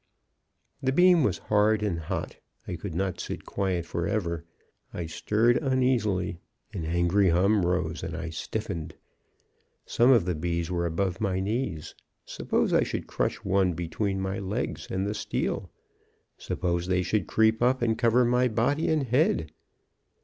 "The beam was hard and hot. I could not sit quiet forever. I stirred uneasily. An angry hum rose, and I stiffened. Some of the bees were above my knees. Suppose I should crush one between my leg and the steel! Suppose they should creep up and cover my body and head!